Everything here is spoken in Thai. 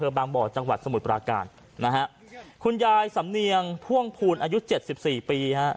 บางบ่อจังหวัดสมุทรปราการนะฮะคุณยายสำเนียงพ่วงภูลอายุเจ็ดสิบสี่ปีฮะ